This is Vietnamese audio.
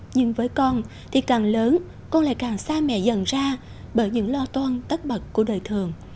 nhưng với con thì càng lớn cô lại càng xa mẹ dần ra bởi những lo toan tất bật của đời thường